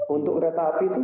untuk kereta api itu